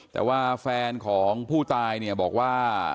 แต่ว่าแฟนของผู้ตายเนี่ยบอกว่า